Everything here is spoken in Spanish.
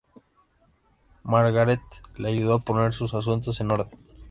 Margaret le ayudó a poner sus asuntos en orden.